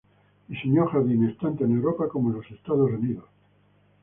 Diseñó jardines tanto en Europa como en Estados Unidos.